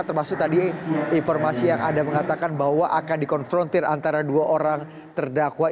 termasuk tadi informasi yang ada mengatakan bahwa akan dikonfrontir antara dua orang terdakwa